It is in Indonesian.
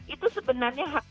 itu sebenarnya hak guru